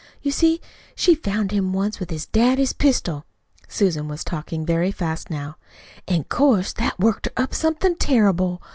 You see, she found him once with his daddy's pistol" Susan was talking very fast now "an' 'course that worked her up somethin' terrible.